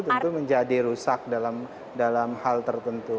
tentu menjadi rusak dalam hal tertentu